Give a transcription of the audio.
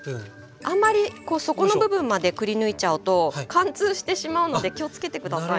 あんまり底の部分までくりぬいちゃうと貫通してしまうので気をつけて下さいね。